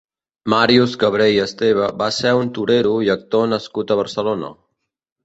Màrius Cabré i Esteve va ser un torero i actor nascut a Barcelona.